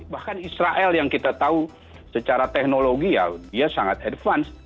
bahkan israel yang kita tahu secara teknologi ya dia sangat advance